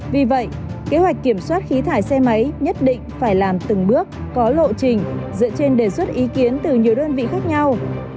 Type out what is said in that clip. vì vậy kế hoạch kiểm soát khí thải xe máy nhất định phải làm từng bước có lộ trình dựa trên đề xuất ý kiến từ nhiều đơn vị khác nhau